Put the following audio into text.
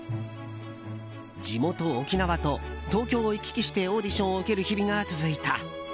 地元・沖縄と東京を行き来してオーディションを受ける日々が続いた。